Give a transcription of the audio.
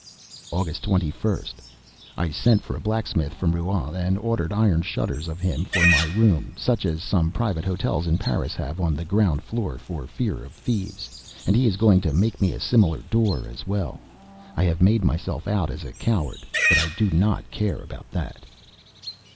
August 21st. I sent for a blacksmith from Rouen, and ordered iron shutters of him for my room, such as some private hotels in Paris have on the ground floor, for fear of thieves, and he is going to make me a similar door as well. I have made myself out as a coward, but I do not care about that!...